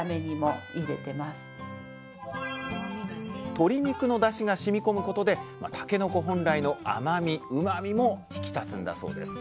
鶏肉のだしがしみこむことでたけのこ本来の甘みうまみも引き立つんだそうです。